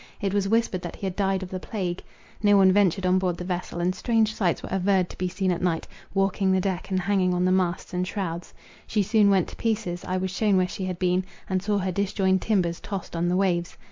It was whispered that he had died of the plague. No one ventured on board the vessel, and strange sights were averred to be seen at night, walking the deck, and hanging on the masts and shrouds. She soon went to pieces; I was shewn where she had been, and saw her disjoined timbers tossed on the waves.